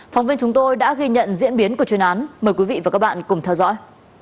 phóng viên chúng tôi đã ghi nhận diễn biến của chuyên án mời quý vị và các bạn cùng theo dõi